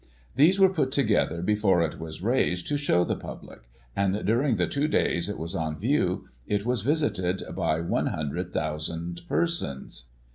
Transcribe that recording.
These were put together before it was raised, to show the public — and during the two days it was on view, it was visited by 100,000 persons.